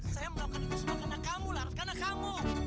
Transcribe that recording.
saya melakukan itu semua karena kamu larut karena kamu